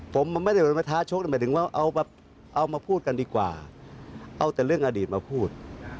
ผมไม่ได้มาท้าชกหมายถึงว่าเอามาพูดกันดีกว่าเอาแต่เรื่องอดีตมาพูด